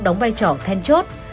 đóng vai trò then chốt